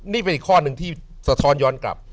นี่เป็นอีกข้อหนึ่งที่สะท้อนย้อนกลับ